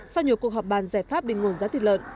sau nhiều cuộc họp bàn giải pháp bình nguồn giá thịt lợn